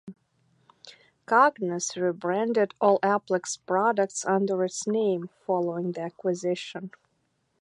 Cognos rebranded all Applix products under its name following the acquisition.